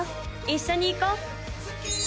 一緒に行こう！